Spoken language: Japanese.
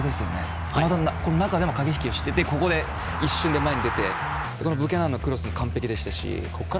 中でも駆け引きをしてて一瞬で前に出てブキャナンのクロスも完璧でしたし。